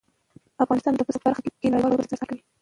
افغانستان د پسه په برخه کې نړیوالو بنسټونو سره کار کوي.